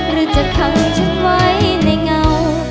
หรือจะขังฉันไว้ในเงา